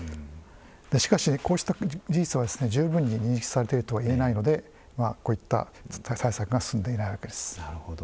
しかしこうした事実は十分に認識されているとは言えないのでこういった対策が進んでいないわけです。